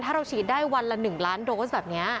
ถ้าเราฉีดได้วันละ๑ล้านโดสแบบนี้